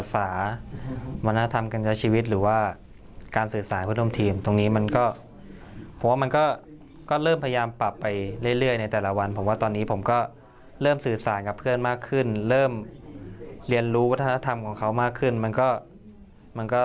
ตามเวลาอย่างนี้ผมว่ามันก็ดีขึ้นเรื่อยของผมก็